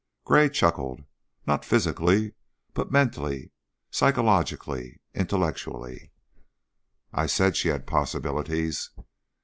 _" Gray chuckled. "Not physically, but mentally, psychologically, intellectually." "I said she had possibilities."